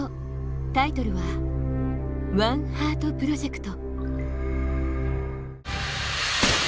タイトルはワンハートプロジェクト。